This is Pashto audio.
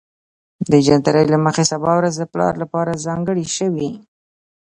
د جنتري له مخې سبا ورځ د پلار لپاره ځانګړې شوې